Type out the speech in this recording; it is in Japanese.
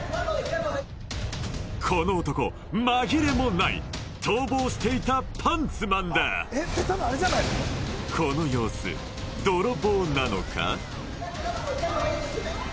この男紛れもない逃亡していたパンツマンだこの様子泥棒なのか？